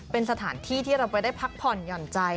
เป็นสถานที่ที่เราไปได้พักผ่อนหย่อนใจ